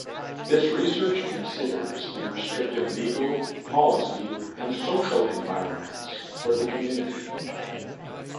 This research considers the restrictive legal, policy, and social environments for the community